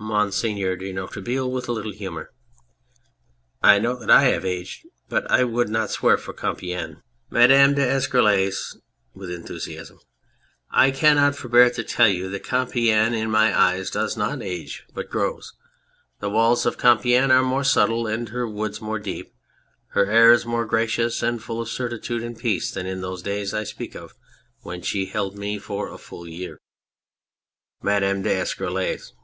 MONSIEUR DE NOIRETABLE (with a little humour}. I know that / have aged, but I would not swear for Compiegne. Madame d'Escurolles (tvith enthusiasm}, 207 On Anything I cannot forbear to tell you that Compiegne in my eyes does not age, but grows. The walls of Compiegne are more subtle and her woods more deep ; her air is more gracious and full of certitude and peace than in those days I speak of when she held me for a full year. MADAME D'ESCUROLLES.